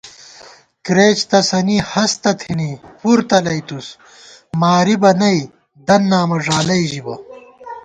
کرېچ تسَنی ہستہ تھنی پُر تلَئیتُوس مارِبہ نئ دن نامہ ݫالَئ ژِبہ